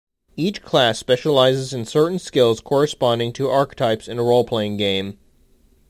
Each class specializes in certain skills corresponding to archetypes in a role-playing game.